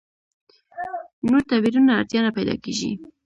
نور تعبیرونو اړتیا نه پیدا کېږي.